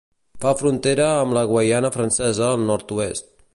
Fa frontera amb la Guaiana Francesa al Nord-oest.